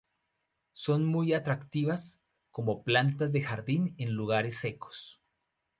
Son muy atractivas como plantas de jardín en lugares secos.